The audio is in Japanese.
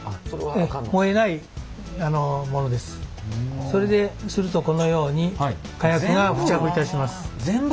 それでするとこのように火薬が付着いたします。